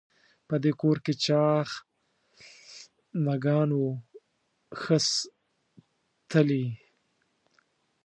په دې کور کې چاغ مږان وو ښه تلي.